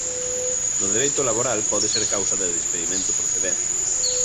No dereito laboral pode ser causa de despedimento procedente.